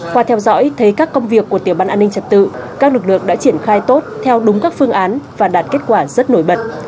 qua theo dõi thấy các công việc của tiểu ban an ninh trật tự các lực lượng đã triển khai tốt theo đúng các phương án và đạt kết quả rất nổi bật